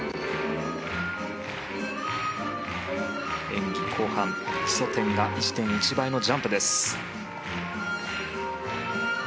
演技後半基礎点が１．１倍のジャンプです。